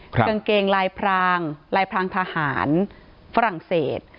กางเกงลายพรางลายพรางทหารฝรั่งเศส